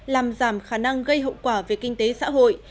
làm giảm khả năng gây hậu quả về kinh tế xã hội